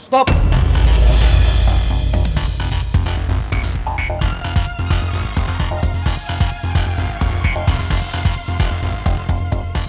jauh dari kemurungan